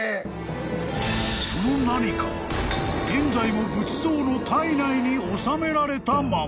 ［その何かは現在も仏像の胎内に納められたまま］